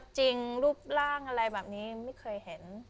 จริงรูปร่างอะไรแบบนี้ไม่เคยเห็น